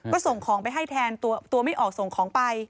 ก็ส่งของไปให้แทนตัวไม่ออกส่งของไป